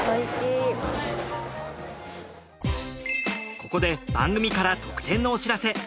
ここで番組から特典のお知らせ。